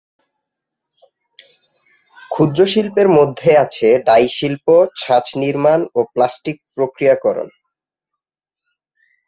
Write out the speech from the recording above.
ক্ষুদ্র শিল্পের মধ্যে আছে ডাই শিল্প, ছাঁচ নির্মাণ ও প্লাস্টিক প্রক্রিয়াকরণ।